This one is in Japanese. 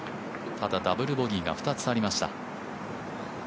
ただ、ダブルボギーが２つありました。